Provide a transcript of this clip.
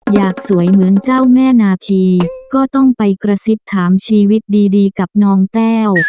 อยากสวยเหมือนเจ้าแม่นาคีก็ต้องไปกระซิบถามชีวิตดีกับน้องแต้ว